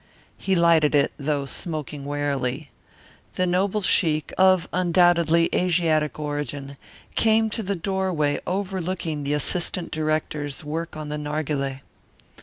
He lighted it, though smoking warily. The noble sheik, of undoubtedly Asiatic origin, came to the doorway overlooking the assistant director's work on the narghileh.